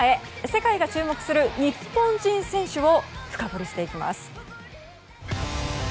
世界が注目する日本人選手を深掘りしていきます。